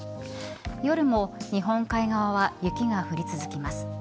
夜も日本海側は雪が降り続きます。